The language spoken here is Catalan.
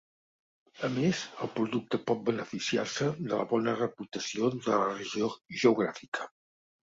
A més, el producte pot beneficiar-se de la bona reputació de la regió geogràfica.